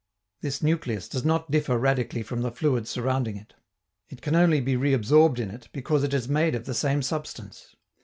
This nucleus does not differ radically from the fluid surrounding it. It can only be reabsorbed in it because it is made of the same substance.